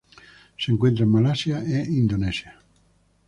Se encuentra en Malasia e Indonesia.